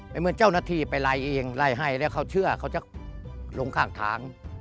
เหมือนเจ้าหน้าที่ไปไล่เองไล่ให้แล้วเขาเชื่อเขาจะลงข้างทาง